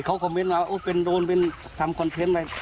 เขาอฟเมนต์มาว่าโดนทำคอนเทนต์อะไร